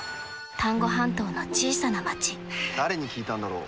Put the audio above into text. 丹後半島の小さな町誰に聞いたんだろう。